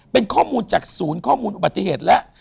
เป็นข้อมูลจากศูนย์ข้อมูลอุบัติเหตุแล้ว